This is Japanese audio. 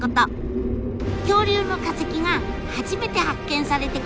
恐竜の化石が初めて発見されてからおよそ２００年。